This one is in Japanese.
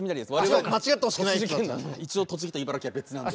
一応栃木と茨城は別なんで。